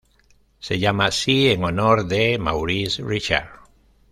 Se llama así en honor de Maurice Richard.